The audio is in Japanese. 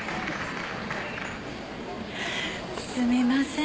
すみません。